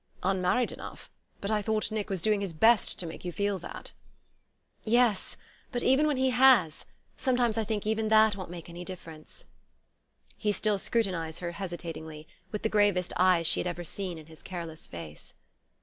"Unmarried enough? But I thought Nick was doing his best to make you feel that." "Yes. But even when he has sometimes I think even that won't make any difference." He still scrutinized her hesitatingly, with the gravest eyes she had ever seen in his careless face.